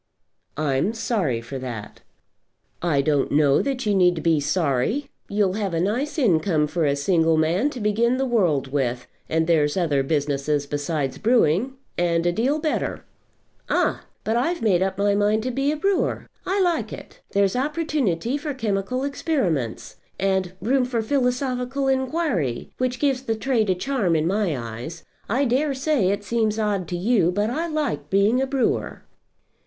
"I'm sorry for that." "I don't know that you need be sorry. You'll have a nice income for a single man to begin the world with, and there's other businesses besides brewing, and a deal better." "Ah! But I've made up my mind to be a brewer. I like it. There's opportunity for chemical experiments, and room for philosophical inquiry, which gives the trade a charm in my eyes. I dare say it seems odd to you, but I like being a brewer."